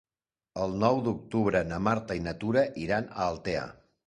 El nou d'octubre na Marta i na Tura iran a Altea.